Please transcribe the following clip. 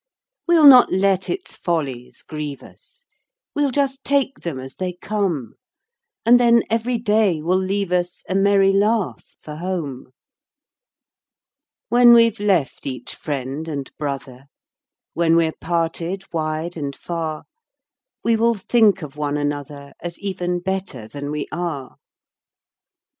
We'll not let its follies grieve us, We'll just take them as they come; And then every day will leave us A merry laugh for home. When we've left each friend and brother, When we're parted wide and far, We will think of one another, As even better than we are.